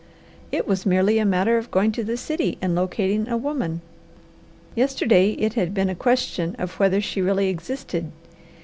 It was merely a matter of going to the city and locating a woman. Yesterday, it had been a question of whether she really existed.